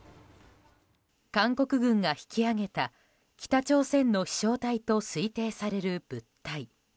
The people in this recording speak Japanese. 韓国軍が引き揚げた北朝鮮の飛翔体と推定される物体。